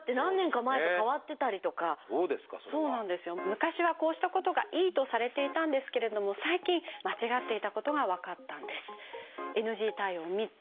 昔はこうしたことがいいとされていたんですけれども最近間違っていたことが分かったんです。